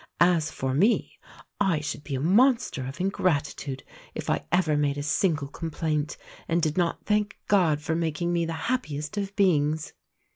As for me, I should be a monster of ingratitude if I ever made a single complaint and did not thank God for making me the happiest of beings."